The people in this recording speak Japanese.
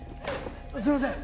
すいません！